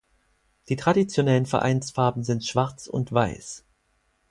Die traditionellen Vereinsfarben sind Schwarz und Weiß.